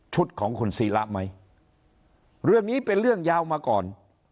ของคุณศิระไหมเรื่องนี้เป็นเรื่องยาวมาก่อน